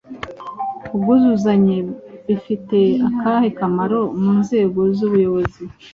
ubwuzuzanye bifite akahe kamaro mu nzego z’ubuyobozi ?